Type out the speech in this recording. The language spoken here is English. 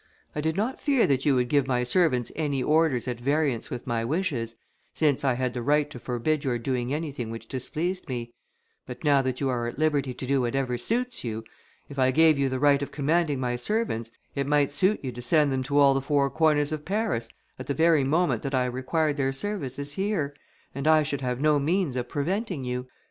I did not fear that you would give my servants any orders at variance with my wishes, since I had the right to forbid your doing anything which displeased me; but now that you are at liberty to do whatever suits you, if I gave you the right of commanding my servants, it might suit you to send them to all the four corners of Paris, at the very moment that I required their services here, and I should have no means of preventing you.